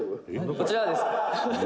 「こちらはですね